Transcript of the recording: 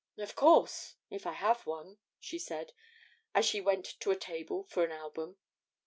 'Of course, if I have one,' she said, as she went to a table for an album.